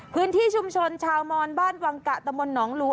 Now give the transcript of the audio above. พื้นที่ชุมชนชาวมอนบ้านวังกะตะมนตหนองลัว